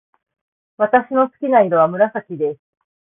私の好きな色は紫です。